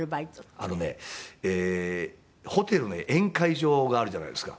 あのねホテルの宴会場があるじゃないですか。